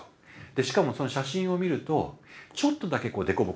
しかもその写真を見るとちょっとだけ凸凹がある。